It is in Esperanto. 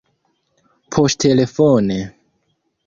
poŝtelefone